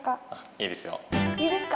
いいですよ。